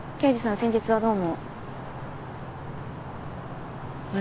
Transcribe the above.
先日はどうもあれ？